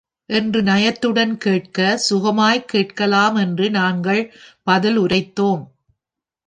என்று நயத்துடன் கேட்க, சுகமாய்க் கேட்கலாம என்று நாங்கள் பதில் உரைத்தோம்.